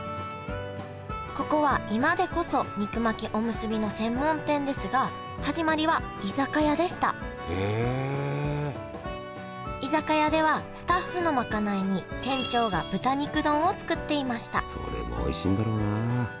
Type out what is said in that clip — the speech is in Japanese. ここは今でこそ肉巻きおむすびの専門店ですが始まりは居酒屋でした居酒屋ではスタッフの賄いに店長が豚肉丼を作っていましたそれもおいしいんだろうな。